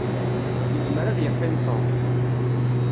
Izmer ad yeqqim Tom.